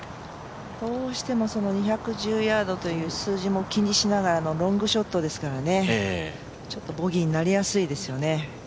どうしても２１０ヤードという数字も気にしながらのロングショットですから、ちょっとボギーになりやすいですよね。